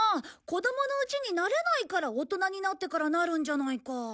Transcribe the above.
子どものうちになれないから大人になってからなるんじゃないか。